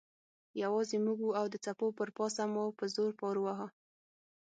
یوازې موږ وو او د څپو پر پاسه مو په زور پارو واهه.